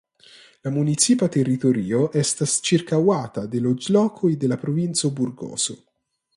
La municipa teritorio estas ĉirkaŭata de loĝlokoj de la provinco Burgoso.